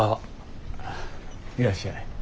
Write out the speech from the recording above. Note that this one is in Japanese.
いらっしゃい。